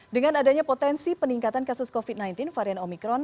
dengan adanya potensi peningkatan kasus covid sembilan belas varian omikron